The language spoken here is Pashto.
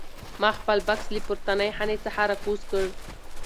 ما خپل بکس له پورتنۍ خانې څخه راکوز کړ.